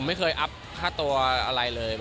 ไม่เคยอัพค่าตัวอะไรเลย